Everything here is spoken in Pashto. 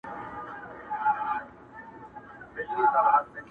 ورور د زور برخه ګرځي او خاموش پاتې کيږي.